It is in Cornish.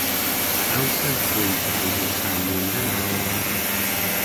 "A alsewgh hwi kewsel tamm moy lent, mar pleg?"